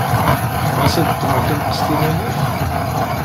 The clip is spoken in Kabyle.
Ɣas ad ddmeɣ timqestin-inek?